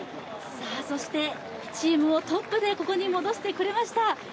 そしてチームをトップでここに戻してくれました